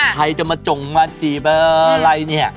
ใครจะมาจงมาจีบอะไรเนี่ย